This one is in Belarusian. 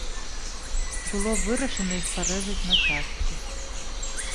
Было вырашана іх парэзаць на часткі.